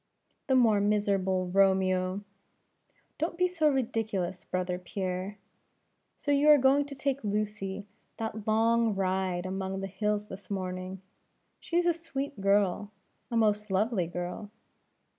"The more miserable Romeo!" "Don't be so ridiculous, brother Pierre; so you are going to take Lucy that long ride among the hills this morning? She is a sweet girl; a most lovely girl."